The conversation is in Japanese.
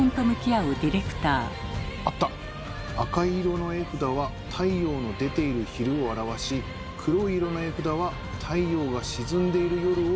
「赤い色の絵札は太陽の出ている昼を表し黒い色の絵札は太陽が沈んでいる夜を表している」。